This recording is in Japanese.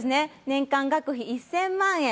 年間学費１０００万円。